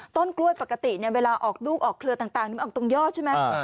ต้นกล้วยปกติเนี่ยเวลาออกลูกออกเครือต่างนี่มันออกตรงยอดใช่ไหม